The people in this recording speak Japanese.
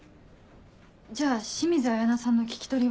じゃあ清水彩菜さんの聞き取りは。